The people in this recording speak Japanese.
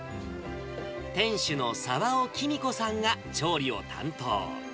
店主の澤尾きみこさんが、調理を担当。